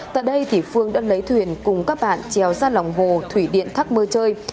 tại đây thì phương đã lấy thuyền cùng các bạn treo ra lòng hồ thủy điện thác mơ chơi